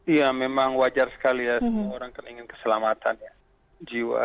iya memang wajar sekali ya semua orang kan ingin keselamatan ya jiwa